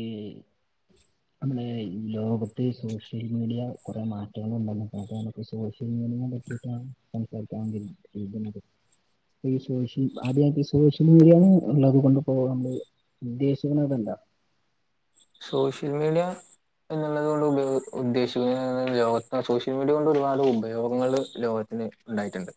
ഈ നമ്മടെ ഈ ലോകത്ത് സോഷ്യൽ മീഡിയ കൊറേ മാറ്റങ്ങൾ [unintelligible] സോഷ്യൽ മീഡിയേനെ പറ്റിയിട്ടാ സംസാരിക്കാണെങ്കില് [unintelligible] ഈ സോഷ്യൽ ആദ്യ [unintelligible] സോഷ്യൽ മീഡിയാന്ന് ഇള്ളത് കൊണ്ട് ഇപ്പോ നമ്മള് ഉദ്ദേശിക്കണെ അതല്ല സോഷ്യൽ മീഡിയാ എന്നുള്ളത് കൊണ്ട് ഉപയോ ഉദ്ദേശിക്കുന്ന ലോകത്തി സോഷ്യൽ മീഡിയ കൊണ്ട് ഒരുപാട് ഉപയോഗങ്ങള് ലോകത്തിന് ഉണ്ടായിട്ടുണ്ട്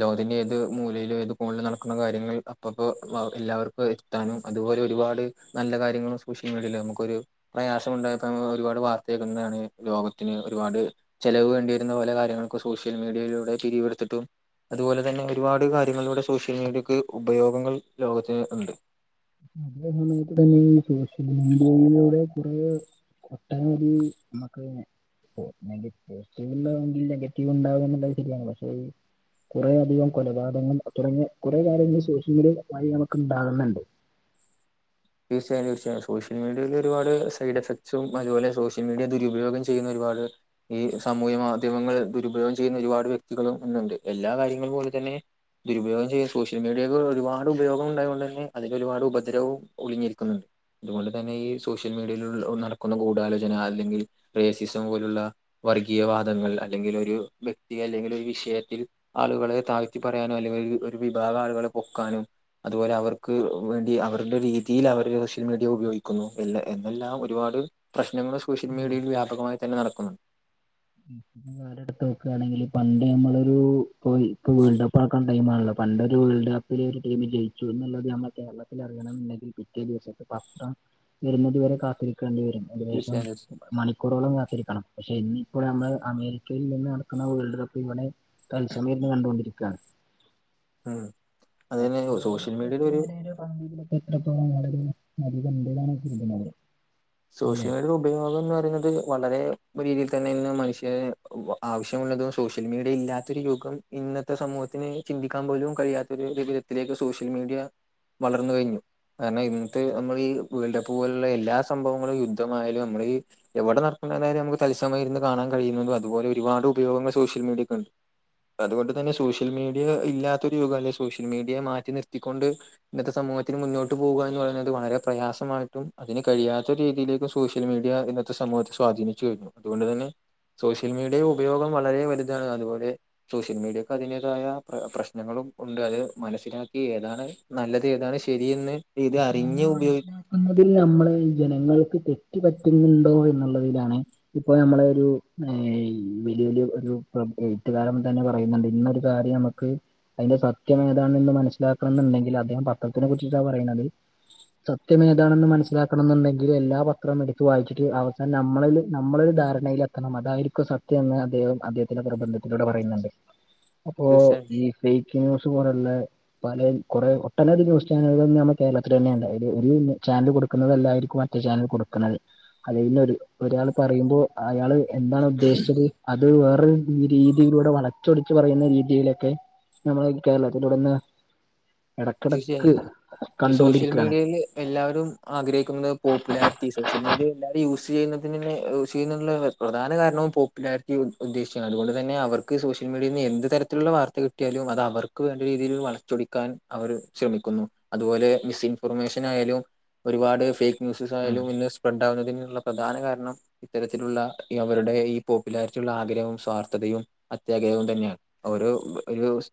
ലോകത്തിന്റെ ഏത് മൂലയിലും ഏത് കോണിലും നടക്കുന്ന കാര്യങ്ങൾ അപ്പപ്പോ വ എല്ലാവർക്കും അത് ത്താനും അതുപോലെ ഒരുപാട് നല്ല കാര്യങ്ങളും സോഷ്യൽ മീഡിയയില് നമുക്ക് ഒരു പ്രയാസം ഉണ്ടായപ്പോ ഒരുപാട് വാർത്ത കേക്കുന്നതാണ് ലോകത്തിന് ഒരുപാട് ചെലവ് വേണ്ടി വരുന്ന ഓലെ കാര്യങ്ങൾക്ക് സോഷ്യൽ മീഡിയയിലൂടെ പിരിവെടുത്തിട്ടും അതുപോലെ തന്നെ ഒരുപാട് കാര്യങ്ങളിലൂടെ സോഷ്യൽ മീഡിയക്ക് ഉപയോഗങ്ങൾ ലോകത്തിൽ ഉണ്ട് അതേ സമയത്ത് തന്നെ ഈ സോഷ്യൽ മീഡിയയിലൂടെ കുറെ [unintelligible] നമ്മക്ക് [unintelligible] പോസിറ്റീവ് ഉണ്ടാവുമെങ്കിൽ നെഗറ്റീവ് ഉണ്ടാവു എന്നുള്ളത് ശരിയാണല്ലോ പക്ഷേ ഈ കൊറെ അധികം കൊലപാതകം തുടങ്ങിയ കൊറെ കാര്യങ്ങൾ സോഷ്യൽ മീഡിയ വഴി നമ്മക്ക് ഇണ്ടാവുന്നുണ്ട്. തീർച്ചയായും തീർച്ചയായും സോഷ്യൽ മീഡിയയിൽ ഒരുപാട് സൈഡ് എഫക്ട്സും അതുപോലെ സോഷ്യൽ മീഡിയ ദുരുപയോഗം ചെയ്യുന്ന ഒരുപാട് ഈ സാമൂഹ്യ മാധ്യമങ്ങള് ദുരുപയോഗം ചെയ്യുന്ന ഒരുപാട് വ്യക്തികളും ഇന്നുണ്ട് എല്ലാ കാര്യങ്ങളും പോലെ തന്നെ ദുരുപയോഗം ചെയ്യും, സോഷ്യൽ മീഡിയയ്ക്ക് ഒരുപാട് ഉപയോഗം ഉണ്ടായത് കൊണ്ട് അതില് ഒരുപാട് ഉപദ്രവും ഒളിഞ്ഞിരിക്കുന്നുണ്ട് അതുകൊണ്ട് തന്നെ ഈ സോഷ്യൽ മീഡിയൽ ഉള്ള് നടക്കുന്ന ഗൂഢാലോചന അല്ലെങ്കിൽ റേസിസം പോലുള്ള വർഗീയ വാദങ്ങൾ അല്ലെങ്കിൽ ഒരു വ്യക്തി അല്ലെങ്കിൽ ഒരു വിഷയത്തിൽ ആളുകളെ താഴ്ത്തി പറയാനും അല്ലെങ്കിൽ ഒര് ഒരു വിഭാഗം ആളുകളെ പൊക്കാനും അതുപോലെ അവർക്ക് വേണ്ടി അവരുടെ രീതി രീതിയിൽ അവർ സോഷ്യൽ മീഡിയ ഉപയോഗിക്കുന്നു എല്ല എന്നല്ല ഒരുപാട് പ്രശ്നങ്ങൾ സോഷ്യൽ മീഡിയയിൽ വ്യാപകമായി തന്നെ നടക്കുന്നുണ്ട്. [unintelligible] എടുത്ത് നോക്കാണെങ്കില് പണ്ട് നമ്മളൊരു ഇപ്പോ ഈ വേൾഡ് കപ്പ് നടക്കണ്ട ടൈം ആണല്ലോ പണ്ട് ഒരു വേൾഡ് കപ്പ് ഏതേലൊരു ടീമ് ജയിച്ചുന്നുള്ളത് നമ്മൾ കേരളത്തിൽ അറിയണം എന്നുണ്ടെങ്കിൽ പിറ്റേ ദിവസത്തെ പത്രം വെരുന്നതു വരെ കാത്തിരിക്കേണ്ടി വരും ഏകദേശം തീർച്ചയായും തീർച്ചയായും മണിക്കൂറോളം കാത്തിരിക്കണം പക്ഷെ ഇന്നിപ്പോള് നമ്മള് അമേരിക്കയിൽ നിന്ന് നടക്കുന്ന വേൾഡ് കപ്പ് ഇവിടെ തത്സസമയം ഇരുന്ന് കണ്ടോണ്ടിരിക്കാണ്. ഉം അത് തന്നെ സോഷ്യൽ മീഡിയൽ ഒരു [unintelligible] എത്രത്തോളം വളരുന്നു [unintelligible] സോഷ്യൽ മീഡിയേടെ ഉപ് ഉപയോഗം എന്ന് പറയുന്നത് വളരെ രീതിയിൽ തന്നെ ഇന്ന് മനുഷ്യർ ആവശ്യമുള്ളതും സോഷ്യൽ മീഡിയ ഇല്ലാത്തൊരു യുഗം ഇന്നത്തെ സമൂഹത്തിന് ചിന്തിക്കാൻ പോലും കഴിയാത്തൊര് രീതി ത്തിലേക്ക് സോഷ്യൽ മീഡിയാ വളർന്ന് കഴിഞ്ഞു കാരണം ഇന്നത്തെ നമ്മൾ ഈ വേൾഡ് കപ്പ് പോലുള്ള എല്ലാ സ് സംഭവങ്ങളും യുദ്ധമായാലും നമ്മളീ എവിടെ നടക്കണ്ടാലും നമുക്ക് തത്സമയ ഇരുന്ന് കാണാൻ കഴിയുന്നതും അതുപോലെ ഒരുപാട് ഉപയോഗങ്ങൾ സോഷ്യൽ മീഡിയക്ക് ഇണ്ട് അതുകൊണ്ട് തന്നെ സോഷ്യൽ മീഡിയ ഇല്ലാത്തരു യുഗം അല്ലെ സോഷ്യൽ മീഡിയയെ മാറ്റി നിർത്തിക്കൊണ്ട് ഇന്നത്തെ സമൂഹത്തിന് മുന്നോട്ട് പോകുക എന്ന് പറയുന്നത് വളരെ പ്രയാസമായിട്ടും അതിന് കഴിയാത് മറ്റൊരു രീതിയിലേക്കും സോഷ്യൽ മീഡിയാ ഇന്നത്തെ സമൂഹത്തെ സ്വാധീനിച്ചു കഴിഞ്ഞു അതുകൊണ്ടു തന്നെ സോഷ്യൽ മീഡിയേടെ ഉപയോഗം വളരെ വലുതാണ് അതുപോലെ സോഷ്യൽ മീഡിയക്ക് അതിൻ്റെതായ പ്ര പ്രശ്നങ്ങളും ഉണ്ട് അത് മനസ്സിലാക്കി ഏതാണ് നല്ലത് ഏതാണ് ശരിയെന്ന് ഇത് അറിഞ്ഞ് ഉപയോഗ് എന്നതിൽ നമ്മളെ ഈ ജനങ്ങൾക്ക് തെറ്റ് പറ്റുന്നുണ്ടോ എന്നുള്ളതിലാണ് ഇപ്പൊ നമ്മള ഒരു വലിയ, വലിയ ഒരു എഏട്ടുകാലം തന്നെ പറയുന്നുണ്ട്, ഇന്നൊരു- കാര്യം നമുക്ക് അതിന്റെ സത്യം- ഏതാണന്ന് മനസ്സിലാക്കണം- എന്നുണ്ടെങ്കിൽ അദ്ദേഹം, പത്രത്തിനെ കുറിച്ചിട്ടാ- പറയണുന്നത്. സത്യം ഏതാണെന്ന് മനസ്സിലാക്കണ എന്നുണ്ടെങ്കിൽ, എല്ലാ പത്രവും എടുത്തു വായിച്ചിട്ട് അവസാനം- നമ്മളില് നമ്മള ഒരു ധാരണയിൽ- കത്തണം അതായിരിക്കും സത്യം, എന്ന് അദ്ദേഹം അദ്ദേഹത്തിന്റെ- പ്രബന്ധത്തിലൂടെ പറയുന്നുണ്ട്. അപ്പോ തീർച്ചയായും ഈ ഫേക്ക് ന്യൂസ്- പോലെയുള്ള പല കുറെ ഒട്ടനവധി ന്യൂസ് ചാനലുക നമ്മക്ക്, കേരളത്തിൽ തന്നെ ഉം അത് ഒരു ചാനല് കൊടുക്കുന്നതല്ലായിരിക്കും, മറ്റേ ചാനൽ കൊടുക്കുന്നത്. അതെ പിന്നെ ഒരു ഒരാൾ, പറയുമ്പോ അയാള് എന്താണ് ഉദ്ദേശിച്ചത്. അത് വേറെ രീതിയിലൂടെ- വളച്ചൊടിച്ച് പറയുന്ന- രീതിയിലൊക്കെ- നമ്മള കേരളത്തി തുടന്ന്- തീർച്ചയായും ഇടക്കിടക്ക്, ഈ സോഷ്യൽ കണ്ടുകൊണ്ടിരിക്കുകയാണ് മീഡിയല്- എല്ലാവരും ആഗ്രഹിക്കുന്നത്- പോപ്പുലാരിറ്റി, സോഷ്യൽ മീഡിയ, എല്ലാവരും യൂസ് ചെയ്യുന്നതിന് തന്നെ യൂസ് ചെയ്യുന്നുള്ള, പ്രധാന കാരണവും പോപ്പുലാരിറ്റി ഉദ്ദേശിച്ചമാണ് അതുകൊണ്ട് തന്നെ അവർക്ക് സോഷ്യൽ- മീഡിയയിൽന്ന് എന്ത് തരത്തിലുള്ള വാർത്ത കിട്ടും. പയാലും അത് അവർക്ക് വേണ്ട- രീതിയിൽ വളച്ചൊടിക്കാൻ, അവർ ശ്രമിക്കുന്നു അതുപോലെ മിസ്ഇൻഫോർമേഷൻ ആയാലും ഒരുപാട് ഫേക്ക്. ന്യൂസസ് ഉം. ആയാലും ഇന്ന് സ്പ്രെഡ് ആവുന്നതിനുള്ള പ്രധാന കാരണം. ഇത്തരത്തിലുള്ള അവരുടെ ഈ പോപ്പുലാരിറ്റി ഉുള്ള ആഗ്രഹവും, സ്വാർത്ഥതയും അത്യാഗ്രഹവും, തന്നെയാണ്. ഒരു ഒരു ദിവസം.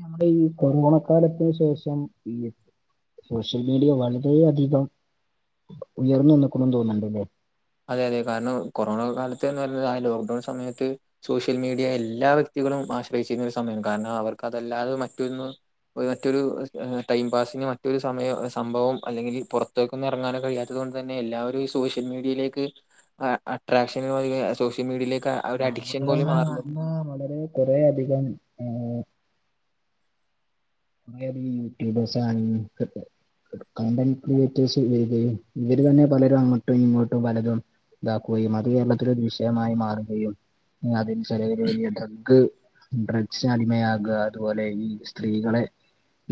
നമ്മുടെ ഈ കൊറോണക്കാലത്തിന് ശേഷം ഈ- സോഷ്യൽ മീഡിയ വളരെയധികം ഉയർന്നു നിന്നക്കണെന്ന് തോന്നണ്ടല്ലേ. അതെ അതെ കാരണം കൊറോണ കാലത്ത്ന്ന് പറയുന്നത്, ലോക്ക്ഡൗൺ സമയത്ത്- സോഷ്യൽ മീഡിയ എല്ലാ വ്യക്തികളും ആശ്രയിച്ചിരുന്ന ഒരു, സമയമാണ് കാരണം അവർക്ക്, അതല്ലാതെ മറ്റൊന്ന്- മറ്റൊരു ടൈം പാസിന് മറ്റൊരു സമയം സംഭവം അല്ലെങ്കിൽ പുറ- ഇത്തക്കും ഇറങ്ങാനും കഴിയത്തത- കൊണ്ട് തന്നെ എല്ലാവരും ഈ- സോഷ്യൽ മീഡിയയിലേക്ക് - ക്ക് അട്രാക്ഷന സോഷ്യൽ- മീഡിയയിലേ- ആഹാ വളരെ കൊറേ അധികമാണ്. [inaudible] കണ്ട് എനിക്ക് വത്യാസ ഇവര്- തന്നെ പലരും അങ്ങോട്ടും, ഇങ്ങോട്ടും പലതും. ഇതാക്കുകയും അത് കേരളത്തില ഒരു ദൃശ്യമായി മാറുകയും അതി- ചിലര് വലിയ ഡ്രഗ്, ഡ്രഗ്സ്ന്- അടിമയാകുക, അതുപോലെ ഈ- സ്ത്രീകളെ-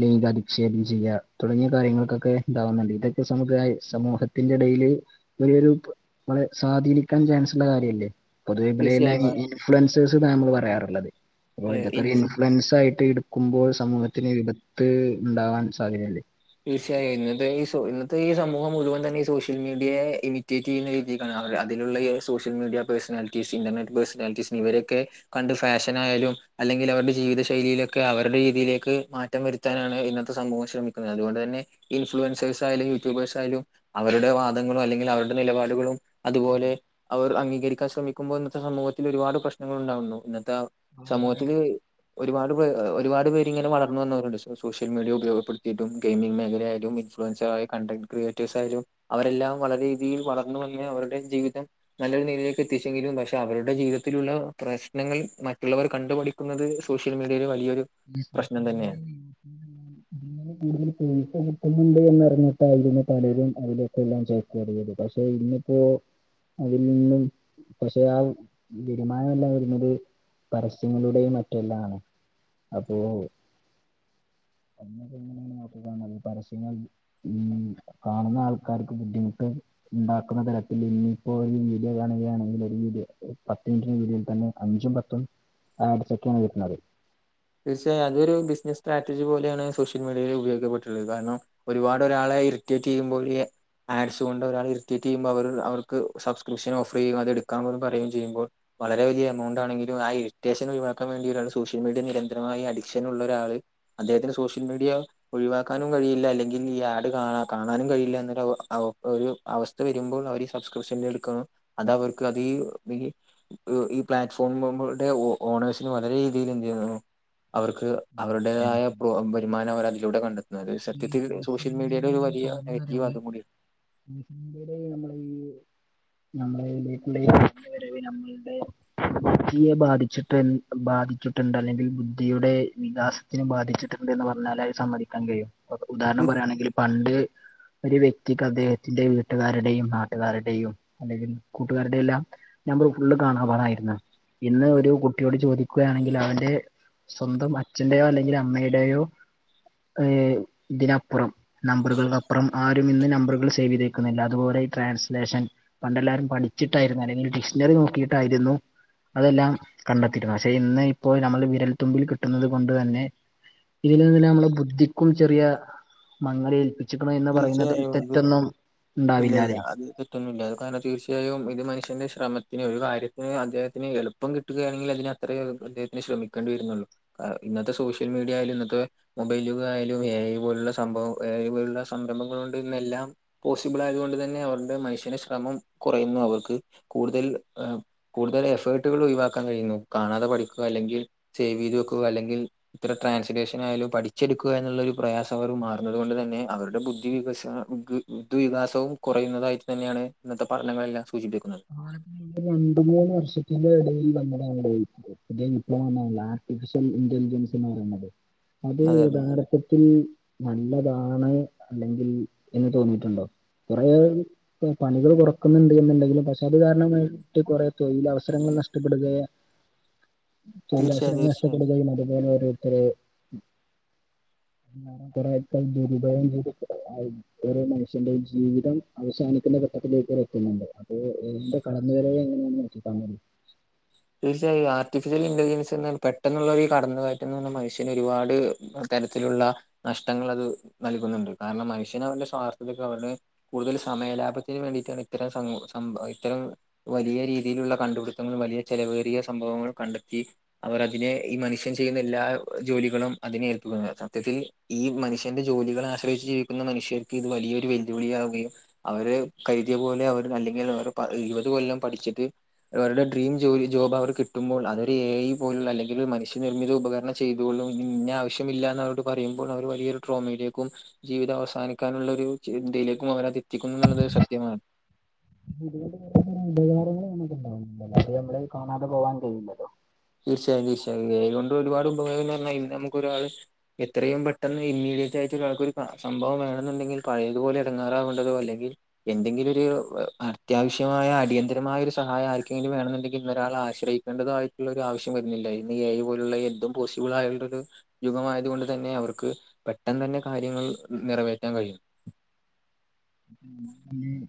ലിംഗധിക്ഷേപം ചെയ്യ, തുടങ്ങിയ്യ കാര്യങ്ങൾക്കൊക്കെ, ഇണ്ടാവുന്നുണ്ട് ഇതൊക്കെ നമുക്ക്- സമൂഹത്തിന്റെ ഇടയില്- ഒരു ഒരുള സ്വാധീനിക്കാൻ- ചാൻസ് ഉള്ള കാര്യല്ലേ? പൊതുവേ പിലയിലെ- തീർച്ചയായും ഇൻഫ്ലുവൻസേഴസ് നമ്മള് പറയാറുള്ളത്, അപ്പോ ഇൻ ഇതൊക്ക- ഫ്രണ്ട്സ് ആയിട്ട് എടുക്കുമ്പോൾ- സമൂഹത്തിന് വിപത്ത് ഉണ്ടാവാൻ സാധ്യത. ഉണ്ട് തീർച്ചയായും ഇന്നത്തെ ഈ ഇന്നത്തെ ഈ സമൂഹം മുഴുവൻ- തന്നെഈ സോഷ്യൽ മീഡിയയെ ഇമിറ്റ്- ചെയ്യുന്നീതിക്കാണ് അതിലുള്ള social media personalities, internet personalities, ഇവരൊക്കെ- കണ്ട് ഫാഷന ആയാലും അല്ലെങ്കിൽ അവരുടെ ജീവിത ശൈലിയിലൊക്കെ അവരുടെ രീതിയിലേക്ക് മാറ്റ. റ്റ വരുത്താനാണ് ഇന്നത്തെ സംഭവം ശ്രമിക്കുന്നത് അുകൊണ്ട് തന്നെ ഇൻഫ്ലുവൻസേഴ്സായാലും, യൂട്യൂബേഴ്സായാലും. അവരുടെ വാദങ്ങളും, അല്ലെങ്കിൽ അവരുടെ നിലപാടുകളും, അതുപോലെ, അവർ അംഗീകരിക്കാൻ ശ്രമിക്കുമ്പോൾ ഇന്നത്തെ സമൂഹത്തിൽ ഒരുപാട് പ്രശ്നങ്ങൾ ഉണ്ടാകുന്നു. ഇന്നത്തെ- സമൂഹത്തിൽ ഒരുപാട് പേർ ഒരുപാട് പേര്ങ്ങനെ വളർന്നു- വന്നവരുണ്ട് സോഷ്യൽ മീഡിയ ഉപയോഗപ്പെടു- ചിട്ടും ഗെയിം മേഖലയാലും, ഇൻഫലെൻസർ, കണ്ടന്റ്കിരിയേഴ്സ് ആയാലും, അവരെല്ലാം വളരെ രീതിയിൽ- വളർന്നു വന്ന് അവരുടെ ജീവിതം- നല്ലൊരു നീലയിലേക്ക് എത്തിച്ചെങ്കിലും, പക്ഷെ അവരുടെ ജീവിതത്തിലുള്ള പ്രശ്നങ്ങൾ മറ്റുള്ളവർ കണ്ടുപഠി- ക്കുന്നത് സോഷ്യൽ മീഡിയയിൽ വലിയൊരു. [inaudible] പ്രശ്നം തന്നെയാണ് ഇതിന് കൂടുതൽ പൈസ- കിട്ടുന്നുണ്ട് എന്നറിഞ്ഞിട്ടായിരുന്നു- പലരും അവയിലൊക്കെ എല്ലാം- ചേർക്കറിയത് പക്ഷേ ഇന്ന്, ഇപ്പോ അയിൽ നിന്നും പക്ഷെ ആ വരുമാനമല്ലാംരുന്നത്. പരസ്യങ്ങളുടെയും മറ്റെല്ലാംണ്. അപ്പോ? അന്ന് പിന്നെ എങ്ങനെയാണ്- നോക്ക നല്ല പരസ്യങ്ങൾ. ഉം കാണുന്ന ആൾക്കാർക്ക് ബുദ്ധിമുട്ട് ഉണ്ടാക്കുന്ന തരത്തിൽ ഇനിയിപ്പോ ഒരു വീഡിയോ കാണുകയാണെങ്കിൽ ഒരു വീഡിയോ പത്ത് മിനിറ്റിന് വീഡിയോൽ തന്നെ അഞ്ചും പത്തും ആഡ്സൊക്കെയാണ് വരുന്നത് തീർച്ചയായും അതൊരു ബിസിനസ് സ്ട്രാറ്റജി പോലെയാണ് സോഷ്യൽ മീഡിയയിൽ ഉപയോഗപ്പെട്ടിട്ടുള്ളത് കാരണം ഒരുപാട് ഒരാളെ ഇർറ്റേറ്റ് ചെയ്യുമ്പോ ഈ ആഡ്സ് കൊണ്ട് ഒരാൾ ഇറിറ്റേറ്റ് ചെയ്യുമ്പോൾ അവർ അവർക്ക് സബ്സ്ക്രിപ്ഷൻഓഫർ ചെയ്യും അതെടുക്കാൻ പോലും പറയേം ചെയ്യുമ്പോൾ വളരെ വലിയ എമൗണ്ടാണെങ്കിലും ആ ഇരിറ്റേഷൻ ഒഴിവാക്കാ വേണ്ടി ഒരാൾ സോഷ്യൽമീഡിയ നിര ന്തരമായി അഡിക്ഷൻ ഉള്ള ഒരാള് അദ്ദേഹത്തിന് സോഷ്യൽ മീഡിയ ഒഴിവാക്കാനും കഴിയില്ല അല്ലെങ്കിൽ ഈ ആഡ് കാ കാണാനും കഴിയില്ല എന്നൊരു അവ അവ ഒരു അവസ്ഥ വരുമ്പോൾ അവര് സബ്സ്ക്രിപ്ഷൻ്റെ എടുക്കണം അത് അവർക്ക് അതേ വലി ഈ പ്ലാറ്റ്ഫോമുമുകൾ ടെ ഓണേഴ്സിന് വളരെ രീതിയിൽ എന്ത് ചെയ്യു അവർക്ക് ശരിയാണ്. അവരുടേതായ പ്രോ വരുമാനം അവരതിലൂടെ കണ്ടെ എന്നാല് ഈ സത്യത്തിൽ സോഷ്യൽ മീഡിയയുടെ ഒരു മീഡിയയിലെ വലിയ കടന്നു നെഗറ്റീവ് വരവ് അതും കൂടിയാ [inaudible] നമ്മളുടെ ബുദ്ധിയെ ബാധിച്ചിട്ട് ബാധിച്ചിട്ടുണ്ട് അല്ലെങ്കിൽ ബുദ്ധിയുടെ വികാസ ബാധിച്ചിട്ടുണ്ട് എന്ന് പറഞ്ഞാൽ അത് സമ്മതിക്കാൻ കഴിയും ഇപ്പ ഉദാഹരണം പറയുകയാണെങ്കിൽ പണ്ട് ഒരു വ്യക്തിക്ക് അദ്ദേഹത്തിന്റെ വീട്ടുകാരുടെയും നാട്ടുകാരുടെയും അല്ലെങ്കിൽ കൂട്ടുകാരുടെ എല്ലാം നമ്പറ് ഫുള്ള് കാണാപാഠായിരുന്നു ഇന്ന് ഒരു കുട്ടിയോട് ചോദിക്കുകയാണെങ്കിലവന്റെ സ്വന്തം അച്ഛന്റെയോ അല്ലെങ്കിൽ അമ്മയുടെയോ ഏ ഇതിനപ്പുറം നമ്പറുകൾക്കപ്പുറം ആരും ഇന്ന് നമ്പറുകൾ സേവ് ചെയ്തേക്കുന്നില്ല അതുപോലെ ട്രാൻസ്ലേഷൻ പണ്ടെല്ലാരും പഠിച്ചിട്ടായിരുന്നു അല്ലെങ്കിൽ ഡിക്ഷണറി നോക്കിയിട്ടായിരുന്നു അതെല്ലാം കണ്ടെത്തിയിരുന്നു പക്ഷെ ഇന്ന് ഇപ്പോൾ നമ്മള് വിരൽത്തുമ്പിൽ കിട്ടുന്നത് കൊണ്ട് തന്നെ ഇതിൽ നിന്നന്നെ നമ്മള് ബുദ്ധിക്കും ചെറിയ മങ്ങലേൽപ്പിച്ചിക്കണ് എന്ന് പറയുന്നതിൽ തെറ്റൊന്നും ഇല്ലില്ല ഉണ്ടാവില്ലാല്ലേ? അത് കിട്ടുന്നില്ല അത് കാരണം തീർച്ചയായും ഇത് മനുഷ്യൻ്റെ ശ്രമത്തിന് ഒരു കാര്യത്തിന് അദ്ദേഹത്തിന് എളുപ്പ പ്പം കിട്ടുകയാണെങ്കിൽ അതിനത്രേ അദ്ദേഹത്തിന് ശ്രമിക്കേണ്ടി വരുന്നുള്ളൂ ഇന്നത്തെ സോഷ്യൽ മീഡിയായിൽ ഇന്നത്തെ മൊബൈലുക ആയാലും എ ഐ പോലുള്ള സംഭവം എ ഐ പോലുള്ള സംരംഭങ്ങള്കൊണ്ട് ഇന്നെല്ലാം പോസിബിൾ ആയതു കൊണ്ട് തന്നെ അവരുടെ മനുഷ്യന് ശ്രമം കുറയുന്നു അവർക്ക് കൂടുതൽ ഏഹ് കൂടുതൽ എഫേർട്ടുകൾ ഒഴിവാക്കാൻ കഴിയുന്നു കാണാതെ പഠിക്കുക അല്ലെങ്കിൽ സേവ് ചെയ്ത് വെക്കുക അല്ലെങ്കിൽ ഇത്തരം ട്രാൻസ്ലേഷൻ ആയാലും പഠിച്ചെടുക്കുക എന്നുള്ളൊരു പ്രയാസം അവർ മാറുന്നത് കൊണ്ട് തന്നെ അവരുടെ ബുദ്ധി വികസനക്ക് ബുദ്ധിവികാസവും കുറയുന്നതായിട്ട് തന്നെയാണ് ഇന്നത്തെ പഠനങ്ങളെല്ലാം സൂചിപ്പിക്കുന്നത് രണ്ട് മൂന്ന് വർഷത്തിന്റെ ഇടയിൽ നമ്മുടെ [unintelligible] [unintelligible] ആർട്ടിഫിഷ്യൽ ഇന്റലിജൻസ് എന്ന് പറയുന്നത് അത് അതെ അതെ യഥാർത്ഥത്തിൽ നല്ലതാണ് അല്ലെങ്കിൽ എന്ന് തോന്നിയിട്ടുണ്ടോ കുറെ പണികൾ കുറക്കുന്നുണ്ട് എന്നുണ്ടെങ്കിലും പക്ഷെ അത് കാരണമായി ട്ട് കുറെ തൊഴിലവസരങ്ങൾ നഷ്ടപ്പെടുകയ തീർച്ചയായും തൊഴിലവസരങ്ങൾ തീർച്ചയായും നഷ്ടപ്പെടുകയും അതുപോലെ ഓരോര്ത്തര് കൊറെയൊക്ക ദുരിതവും [unintelligible] ഓരോ മനുഷ്യന്റെ ജീവിതം അവസാനിക്കുന്ന ഘട്ടത്തിലേക്ക് വരെ എത്തുന്നുണ്ട് അപ്പോ ഇതിന്റെ കടന്നുവരവ് [unintelligible] തീർച്ചയായും ആർട്ടിഫിഷ്യൽ ഇന്റലിജൻസ്ന്ന് പെട്ടെന്നുള്ള ഒരു ഈ കടന്ന്കയറ്റം ന്ന് പറഞ്ഞാൽ മനുഷ്യനൊരുപാട് തരത്തിലുള്ള നഷ്ടങ്ങളത് നൽകുന്നുണ്ട് കാരണം മനുഷ്യനവൻ്റെ സ്വാർത്ഥതക്ക് അവരുടെ കൂടുതല് സമയ ലാഭത്തിന് വേണ്ടിയിട്ടാണ് ഇത്തരം സം സംഭ ഇത്തരം വലിയ രീതിയിലുള്ള കണ്ടുപിടുത്തങ്ങളും വലിയ ചെലവേറിയ സംഭവങ്ങളും കണ്ടെത്തി അവർ അതിനെ ഈ മനുഷ്യൻ ചെയ്യുന്ന എല്ലാ ജോലികളും അതിനെ ഏൽപ്പിക്കുന്നു സത്യത്തിൽ ഈ മനുഷ്യന്റെ ജോലികളെ ആശ്രയിച്ച് ജീവിക്കുന്ന മനുഷ്യർക്ക് ഇത് വലിയൊരു വെല്ലുവിളിയാവുകയും അവര് കരുതിയ പോലെ അവര് അല്ലെങ്കിൽ അവരെ പ ഇരുപത് കൊല്ലം പഠിച്ചിട്ട് അവരുടെ ഡ്രീം ജോലി ജോബ് അവർ കിട്ടുമ്പോൾ അതൊര് എ ഐ പോലുള്ള അല്ലെങ്കില് മനുഷ്യ നിർമ്മിത ഉപകരണം ചെയ്തോളും നിന്നെ ആ ശ്യമില്ലാന്ന് അവരോട് പറയുമ്പോൾ അവർ വലിയൊരു ട്രോമയിലേക്കും ജീവിതം അവസാനിക്കാനുള്ളയൊരു ചിന്തേയിലേക്കും അവരത് എത്തിക്കുന്നു എന്നത് സത്യമാണ് [unintelligible] ഉപകാരങ്ങൾ [unintelligible] നമ്മള് കാണാതെ പോകാൻ കയില്ലല്ലോ തീർച്ചയായും തീർച്ചയായും എ. ഐ ക്കൊണ്ട് ഒരുപാട് ഉപകാരങ്ങൾ ന്ന് പറഞ്ഞാ ഇന്ന് നമക്ക് ഒരാള് എത്രയും പെട്ടെന്ന് ഇമ്മീഡിയറ്റ് ആയിട്ടൊരു ഒരാൾക്കൊരു കാ സംഭവം വേണെന്നുണ്ടെങ്കിൽ പഴയതുപോലെ എടങ്ങാറാവേണ്ടല്ലോ അല്ലെങ്കിൽ എന്തെങ്കിലൊരു അത്യാവശ്യമായ അടിയന്തരമായ ഒരു സഹായം ആർക്കെങ്കില് വേണെന്നുണ്ടെങ്കിൽ വേറാളെ ആശ്രയി വേണ്ടതായിട്ടുള്ള ഒരു ആവശ്യം വരുന്നില്ല ഇന്ന് ഈ എ. ഐ പോലുള്ള എന്തും പോസിബിൾ ആയിള്ളൊരു യുഗമായതുകൊണ്ട് തന്നെ അവർക്ക് പെട്ടെന്ന് തന്നെ കാര്യങ്ങൾ നിറവേറ്റാൻ കഴിയും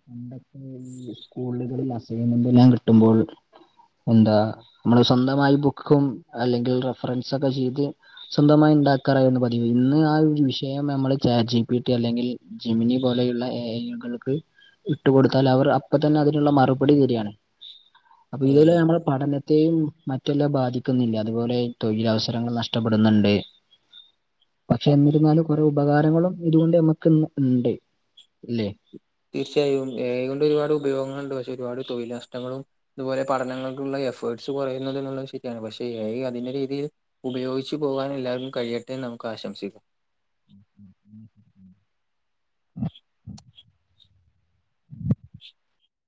പണ്ടൊക്കെ ഈ സ്കൂൾകളിൽ അസൈൻമെന്റ് എല്ലാം കിട്ടുമ്പോൾ എന്താ മ്മള് സ്വന്തമായി ബുക്കും അല്ലെങ്കിൽ റഫറൻസ് ഒക്കെ ചെയ്ത് സ്വന്തമായി ഉണ്ടാക്കാറായിരിന്നു പതിവ് ഇന്ന് ആ ഒരു വിഷയം അമ്മള് ചാറ്റ്. ജി. പി. ട്ടി അല്ലെങ്കിൽ ജെമിനി പോലെയുള്ള എ. ഐ യുകൾക്ക് ഇട്ട് കൊടുത്താല് അവർ അപ്പൊ തന്നെ അതിനുള്ള മറുപടി തരണ് അപ്പൊ ഇതില് കഴിയും അമ്മള് പഠനത്തെയും മറ്റെല്ലാ ബാധിക്കുന്നില്ലെ അതുപോലെ തൊഴിലവസരങ്ങൾ നഷ്ടപ്പെടുന്ന്ണ്ട് പക്ഷെ എന്നിരിന്നാലും കൊറെ ഉപകാരങ്ങളും ഇതുകൊണ്ട് ഹമ്മക്ക് ഇണ്ട് ല്ലേ തീർച്ചയായും എ. ഐ ക്കൊണ്ട് ഒരുപാട് ഉപയോഗങ്ങൾ ഇണ്ട് പക്ഷെ ഒരുപാട് തൊഴിൽ നഷ്ടങ്ങളും ഇതുപോലെ പഠനങ്ങൾക്കുള്ള എഫേർട്സ് കൊറയുന്നത് എന്നുള്ളത് ശെരിയാണ് പക്ഷെ എ. ഐ. അതിന്റെ രീതിയിൽ ഉപയോഗിച്ചു പോകാൻ എല്ലാർക്കും കഴിയട്ടെന്ന് നമുക്ക് ആശംസിക്കാം